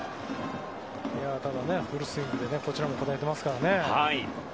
ただ、フルスイングでこちらも振ってきますからね。